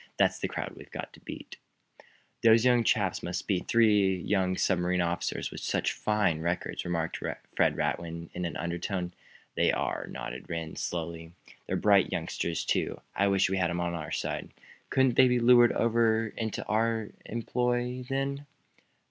"That's the crowd we've got to beat." "Then those young chaps must be the three young submarine officers with such fine records," remarked Fred Radwin, in an undertone. "They are," nodded Rhinds, slowly. "They're bright youngsters, too. I wish we had them on our side." "Couldn't they be lured over into our employ, then?"